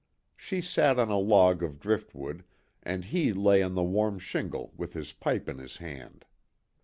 She sat on a log of driftwood, and he lay on the warm shingle with his pipe in his hand.